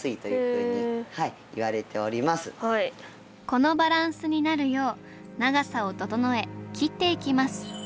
このバランスになるよう長さを整え切っていきます。